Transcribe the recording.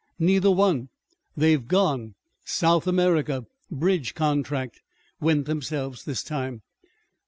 "Neither one. They're gone. South America. Bridge contract. Went themselves this time."